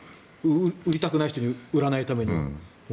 売りたくない人に売らないために。